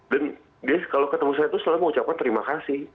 dan dia kalau ketemu saya tuh selalu mengucapkan terima kasih